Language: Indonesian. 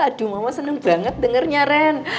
aduh mama seneng banget dengernya ren